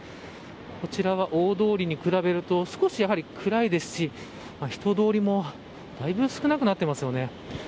こちらは大通りに比べると少し暗いですし人通りもだいぶ少なくなっています。